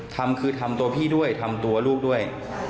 ทำคือทำตัวพี่ด้วยทำตัวลูกด้วย